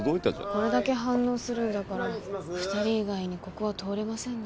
これだけ反応するんだから二人以外にここは通れませんね